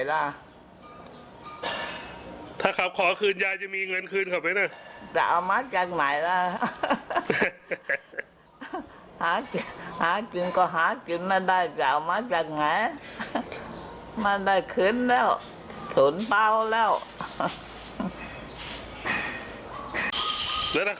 แล้วก็เขาแจ้งความจับยายจะทำอย่างไร